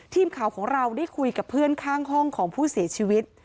ทีมข่าวของเราได้คุยกับเพื่อนข้างห้องของผู้เสียชีวิต